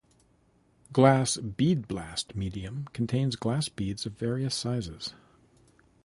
Glass bead blast medium contains glass beads of various sizes.